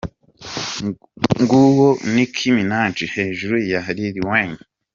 Nguwo Nick minaj hejuru ya Lil Wayne.